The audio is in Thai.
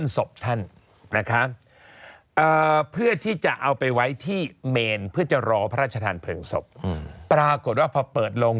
สนุนโดยอีซูซูดีแมคบลูพาวเวอร์นวัตกรรมเปลี่ยนโลก